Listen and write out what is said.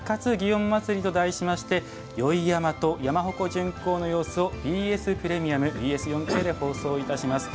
祇園祭」と題しまして宵山と山鉾巡行の様子をＢＳプレミアムとＢＳ４Ｋで放送いたします。